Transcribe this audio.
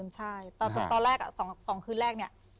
ใช่ตอนแรก๒คืนแรกเนี่ย